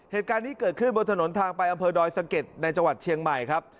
เหตุการณ์นี้เกิดขึ้นบนถนนทางไปอำเภอดอยสะเก็ดในจังหวัดเชียงใหม่ครับ